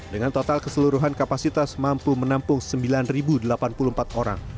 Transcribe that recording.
dengan total keseluruhan kapasitas mampu menampung sembilan delapan puluh empat orang